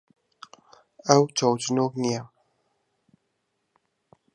ئەو چاوچنۆک نییە.